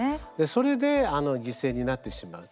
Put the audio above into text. それで犠牲になってしまう。